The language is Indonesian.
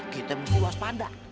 kita buas pada